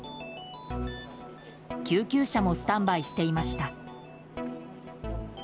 救急車もスタンバイしていました。